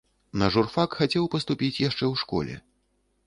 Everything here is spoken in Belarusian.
На журфак хацеў паступіць яшчэ ў школе.